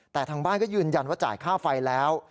แต่ทางบ้านก็ยืนยันว่าจ่ายค่าไฟแล้ว